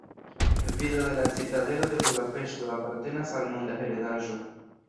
Vido de la Citadelo de Budapeŝto apartenas al Monda Heredaĵo.